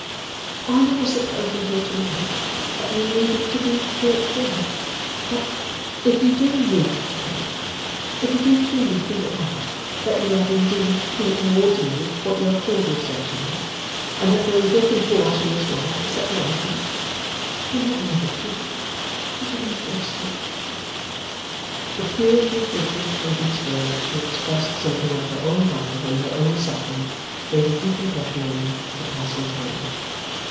'I never supposed until to night that you needed to be thought for. But if you do need to be; if you do truly feel at heart that you have indeed been towards me what you have called yourself to night, and that there is nothing for us in this life but separation; then Heaven help you, and Heaven bless you!' The purity with which in these words she expressed something of her own love and her own suffering, made a deep impression on him for the passing time.